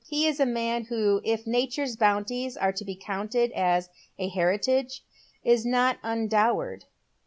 He is a man who, if Nature's bounties are to be counted as a heritage, is not undowered.